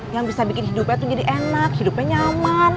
yang bisa bikin hidupnya itu jadi enak hidupnya nyaman